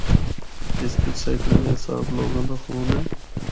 اس بچ سینکڑیاں دے حساب لوگاں دا خون ہے۔